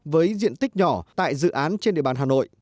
với diện tích nhỏ tại dự án trên địa bàn hà nội